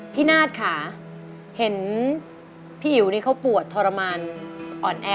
นาฏค่ะเห็นพี่อิ๋วนี่เขาปวดทรมานอ่อนแอ